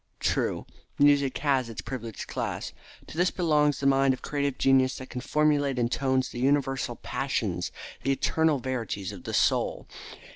True, music has its privileged class. To this belongs the mind of creative genius that can formulate in tones the universal passions, the eternal verities of the soul.